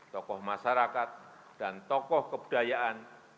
tokoh masyarakat dan tokoh kebudayaan